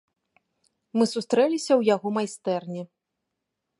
Мы сустрэліся ў яго майстэрні.